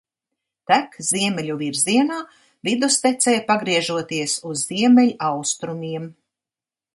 Tek ziemeļu virzienā, vidustecē pagriežoties uz ziemeļaustrumiem.